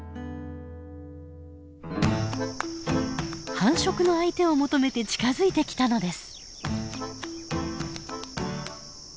繁殖の相手を求めて近づいてきたのです。